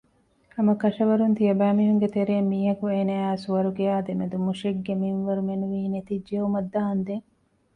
ހަމަކަށަވަރުން ތިޔަބައިމީހުންގެ ތެރެއިން މީހަކު އޭނާއާއި ސުވަރުގެއާ ދެމެދު މުށެއްގެ މިންވަރު މެނުވީ ނެތިއްޖައުމަށް ދާންދެން